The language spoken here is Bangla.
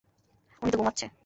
উনি তো ঘুমাচ্ছে।